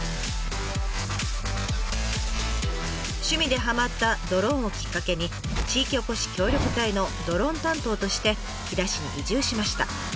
趣味でハマったドローンをきっかけに地域おこし協力隊のドローン担当として飛騨市に移住しました。